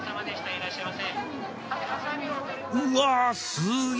いらっしゃいませ。